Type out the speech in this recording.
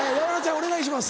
お願いします。